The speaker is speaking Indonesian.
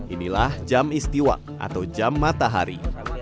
inilah jam istiwa atau jam matahari